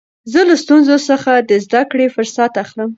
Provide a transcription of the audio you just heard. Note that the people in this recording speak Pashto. زه له ستونزو څخه د زدکړي فرصت اخلم.